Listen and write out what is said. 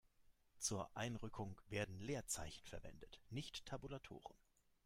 Zur Einrückung werden Leerzeichen verwendet, nicht Tabulatoren.